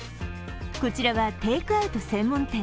こちらはテークアウト専門店。